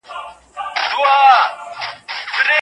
ځمکې تراوسه بشپړ استفاده شوې نه دي.